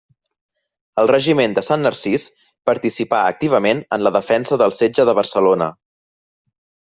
El regiment de Sant Narcís participà activament en la defensa del setge de Barcelona.